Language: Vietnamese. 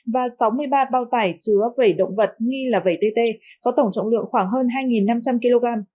và sáu mươi ba bao tải chứa vẩy động vật nghi là vẩy tt có tổng trọng lượng khoảng hơn hai năm trăm linh kg